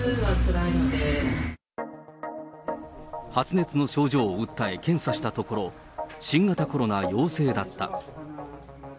発熱の症状を訴え、検査したところ、新型コロナ陽性だった。